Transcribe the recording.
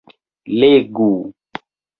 Legu...